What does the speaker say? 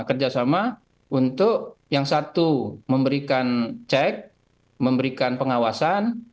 kerjasama untuk yang satu memberikan cek memberikan pengawasan